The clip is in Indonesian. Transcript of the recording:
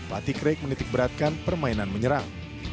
lati krek menitik beratkan permainan menyerang